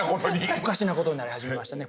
おかしな事になり始めましたね。